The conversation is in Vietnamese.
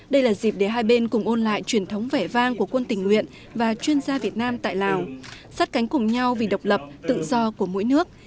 đây là dịp để hai bên cùng ôn lại truyền thống vẻ vang của quân tình nguyện và chuyên gia việt nam tại lào sát cánh cùng nhau vì độc lập tự do của mỗi nước